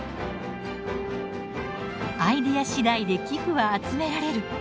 アイデア次第で寄付は集められる。